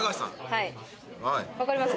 はい分かりますか？